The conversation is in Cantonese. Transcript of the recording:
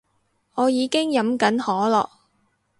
我已經飲緊可樂